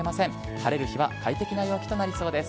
晴れる日は快適な陽気となりそうです。